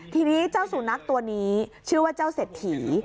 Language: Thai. ทีนี้เจ้าสุนัขตัวนี้ชื่อว่าเจ้าเศรษฐี